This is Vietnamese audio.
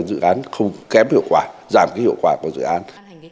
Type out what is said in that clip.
dự án không kém hiệu quả giảm cái hiệu quả của dự án